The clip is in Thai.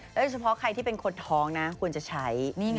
โดยเฉพาะใครที่เป็นคนท้องนะควรจะใช้